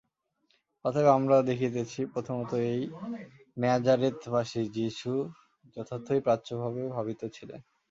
অতএব আমরা দেখিতেছি, প্রথমত এই ন্যাজারেথবাসী যীশু যথার্থই প্রাচ্য ভাবে ভাবিত ছিলেন।